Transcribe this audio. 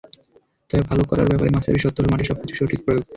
তবে ভালো করার ব্যাপারে মাশরাফির শর্ত হলো, মাঠে সবকিছুর সঠিক প্রয়োগ।